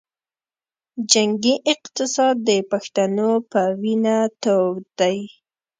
جنګي اقتصاد د پښتنو پۀ وینه تود دے